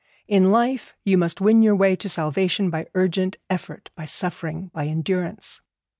In life you must win your way to salvation by urgent effort, by suffering, by endurance.